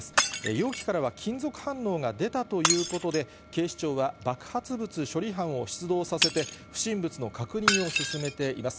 容器からは金属反応が出たということで、警視庁は爆発物処理班を出動させて、不審物の確認を進めています。